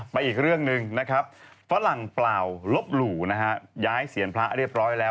มาอีกเรื่องนึงฝรั่งเปล่าลบหลู่ย้ายเซียนพระเรียบร้อยแล้ว